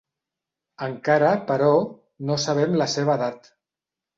Encara, però, no sabem la seva edat.